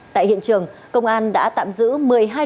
tại hiện trường công an đã tạm giữ một mươi hai đối tượng